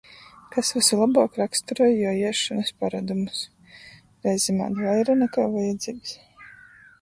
Kas vysu lobuok roksturoj juo iesšonys parodumus? Reizem ād vaira, nakai vajadzeigs.